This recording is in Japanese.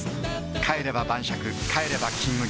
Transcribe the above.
帰れば晩酌帰れば「金麦」